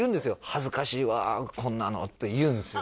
「恥ずかしいわこんなの」って言うんですよ